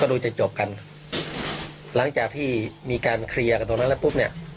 ดูจะจบกันหลังจากที่มีการเคลียร์กันตรงนั้นแล้วปุ๊บเนี่ย